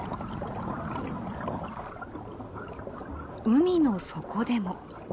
海の底でも。